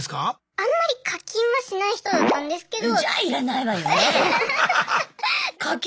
あんまり課金はしない人だったんですけど。